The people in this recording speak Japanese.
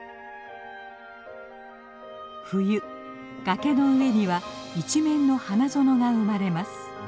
冬崖の上には一面の花園が生まれます。